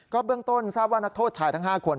เบื้องต้นทราบว่านักโทษชายทั้ง๕คน